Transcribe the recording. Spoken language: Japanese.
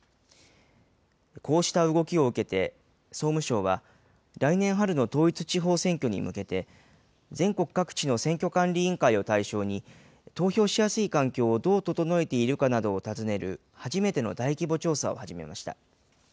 こうした動きを受けて、総務省は来年春の統一地方選挙に向けて、全国各地の選挙管理委員会を対象に、投票しやすい環境をどう整えているかなどを尋ねる初めての大規模調査を始めました。